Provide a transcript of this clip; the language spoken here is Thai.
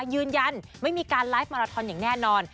ยืนยันไม่มีการไลฟ์มาราทอนอย่างแน่นอน